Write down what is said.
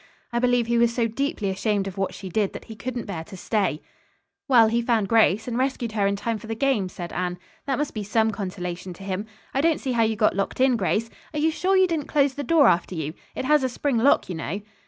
"I believe he was so deeply ashamed of what she did that he couldn't bear to stay." "Well, he found Grace, and rescued her in time for the game," said Anne. "That must be some consolation to him. I don't see how you got locked in, Grace. Are you sure you didn't close the door after you. It has a spring lock, you know."